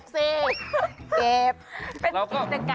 เก็บสิเก็บ